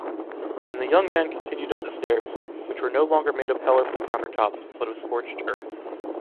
And the young man continued up the stairs, which were no longer made of colorful countertops, but of scorched earth.